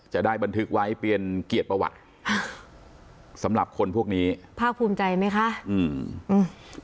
จะได้บันทึกไว้เปลี่ยนเกียรติประวัติสำหรับคนพวกนี้ภาคภูมิใจไหมคะอืมอืม